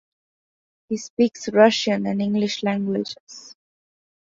He speaks Russian and English languages.